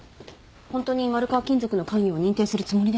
ホントに丸川金属の関与を認定するつもりですか？